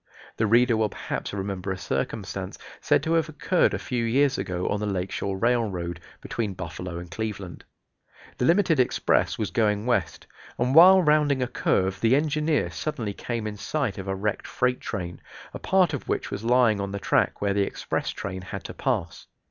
The reader will perhaps remember a circumstance said to have occurred a few years ago on the Lake Shore Railroad, between Buffalo and Cleveland. The limited express was going west, and while rounding a curve the engineer suddenly came in sight of a wrecked freight train, a part of which was lying on the track where the express train had to pass.